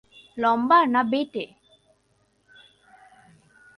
লম্বা না বেঁটে?